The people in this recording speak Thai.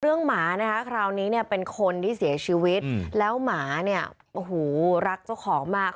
หมานะคะคราวนี้เนี่ยเป็นคนที่เสียชีวิตแล้วหมาเนี่ยโอ้โหรักเจ้าของมาก